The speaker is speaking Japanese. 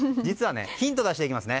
ヒント出していきます。